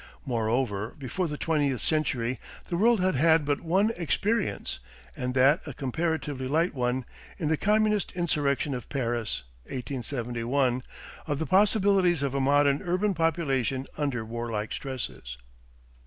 Moreover, before the twentieth century the world had had but one experience, and that a comparatively light one, in the Communist insurrection of Paris, 1871, of the possibilities of a modern urban population under warlike stresses.